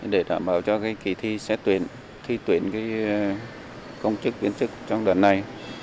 để đảm bảo cho kỳ thi xét tuyển thi tuyển công chức viên chức trong đợt này